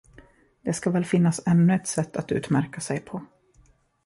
Det ska väl finnas ännu ett sätt att utmärka sig på.